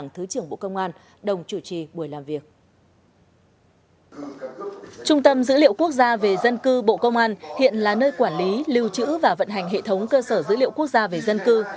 trung tâm dữ liệu quốc gia về dân cư bộ công an hiện là nơi quản lý lưu trữ và vận hành hệ thống cơ sở dữ liệu quốc gia về dân cư